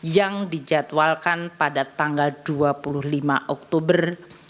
yang dijadwalkan pada tanggal dua puluh lima oktober